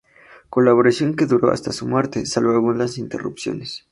Colaboración que duró hasta su muerte, salvo algunas interrupciones.